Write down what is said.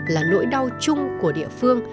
là nỗi đau chung của địa phương